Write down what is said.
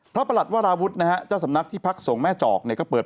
ประหลัดวราวุฒินะฮะเจ้าสำนักที่พักสงฆ์แม่จอกเนี่ยก็เปิด